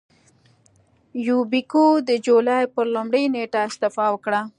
یوبیکو د جولای پر لومړۍ نېټه استعفا وکړه.